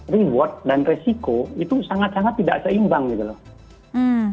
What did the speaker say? reward dan resiko itu sangat sangat tidak seimbang gitu loh